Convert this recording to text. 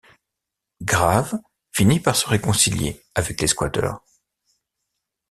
Graves finit par se réconcilier avec les squatteurs.